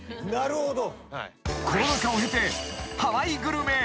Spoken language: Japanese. ［コロナ禍を経てハワイグルメ］